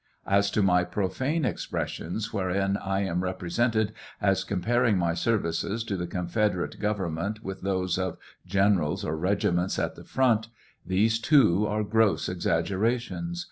As to my profane expressions wherein 1 am represented as comparing my services to the confederate govern ment with those of generals or regiments at the front, these, too, are gross exag gerations.